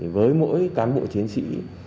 với mỗi cán bộ chiến sĩ